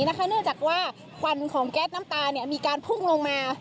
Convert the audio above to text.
เนื่องจากว่าควันของแก๊สน้ำตามีการพุ่งลงมา